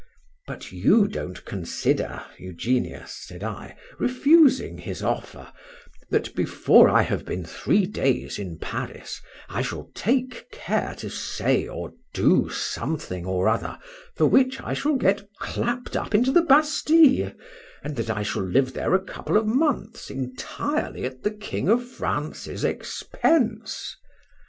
—But you don't consider, Eugenius, said I, refusing his offer, that before I have been three days in Paris, I shall take care to say or do something or other for which I shall get clapp'd up into the Bastile, and that I shall live there a couple of months entirely at the king of France's expense.